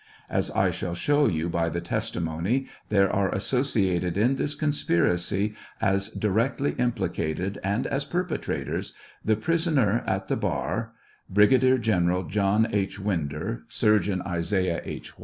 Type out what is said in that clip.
As I shall show you by the testimony, there are associated in this conspiracy, as directly implicated and as perpetrators, the prisoner at the bar, Brigadier TRIAL OF HENEY WIRZ. 751 General John H. Winder, Surgeon Isaiah H.